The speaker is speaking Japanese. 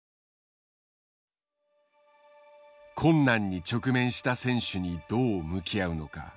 困難に直面した選手にどう向き合うのか。